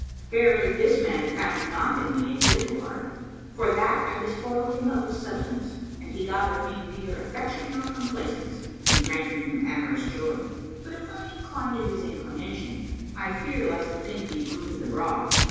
Verily, this man found not in me a pitiful heart, for that I despoiled him of his substance and he got of me neither affection nor complaisance in granting him amorous joy; but, if I incline to his inclination, I fear lest the thing be bruited abroad."